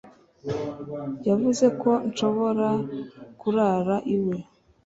yavuze ko nshobora kurara iwe.